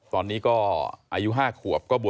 ตอนนี้ก็อายุ๕ขวบ